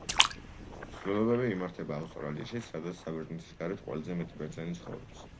მსვლელობები იმართება ავსტრალიაშიც, სადაც საბერძნეთის გარეთ ყველაზე მეტი ბერძენი ცხოვრობს.